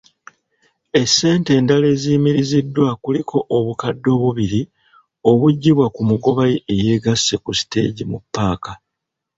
Essente endala eziyimiriziddwa kuliko obukadde obubiri obujjibwa ku mugoba ayeegasse ku siteegi mu ppaka.